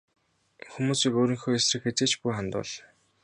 Хүмүүсийг өөрийнхөө эсрэг хэзээ ч бүү хандуул.